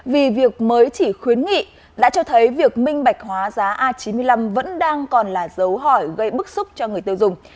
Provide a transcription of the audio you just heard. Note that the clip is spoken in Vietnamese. vì việc mới chỉ khuyến nghị đã cho thấy việc minh bạch hóa giá a chín mươi năm vẫn đang còn là dấu hỏi gây bức xúc cho người tiêu dùng